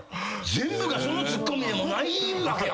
全部がそのツッコミでもないわけやからな。